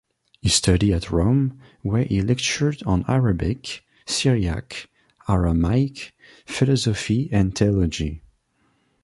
He studied at Rome, where he lectured on Arabic, Syriac, Aramaic, philosophy and theology.